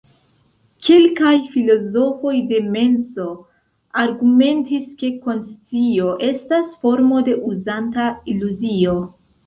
Kelkaj filozofoj de menso argumentis ke konscio estas formo de uzanta iluzio.